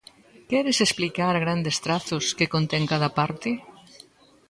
Queres explicar a grandes trazos que contén cada parte?